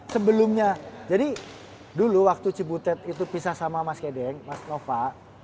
sebelumnya jadi dulu waktu cibutet itu pisah sama mas kedeng mas nova